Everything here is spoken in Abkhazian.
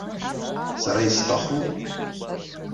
Сара исҭахуп!